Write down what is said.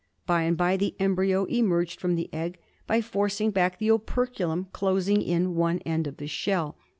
By and bye the embryo emerged from the egg by forcing back the operculum closing in one end of the shell.